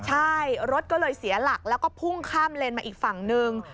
ใช่รถก็เลยเสียหลักแล้วก็พุ่งข้ามเลนมาอีกฝั่งหนึ่ง